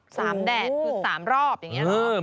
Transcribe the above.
๓แดดคือ๓รอบอย่างนี้เหรอ